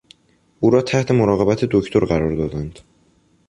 او را تحت مراقبت دکتر قرار دادند.